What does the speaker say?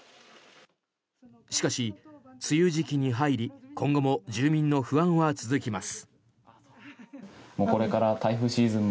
しかし、梅雨時期に入り今後も住民の不安は続きます。